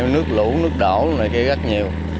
nước lũ nước đổ nước này kia rất nhiều